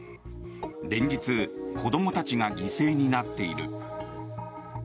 連日、子どもたちが犠牲になっている。